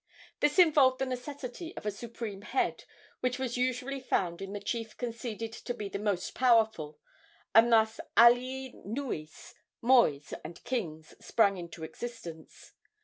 This involved the necessity of a supreme head, which was usually found in the chief conceded to be the most powerful; and thus alii nuis, mois and kings sprang into existence.